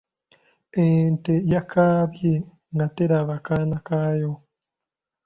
Ente yakaabye nga teraba kaana kayo.